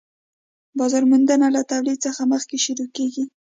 بازار موندنه له تولید څخه مخکې شروع کيږي